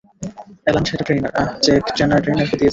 Alan সেটা trainer, আহ, Jack ট্রেইনারকে দিয়েছে।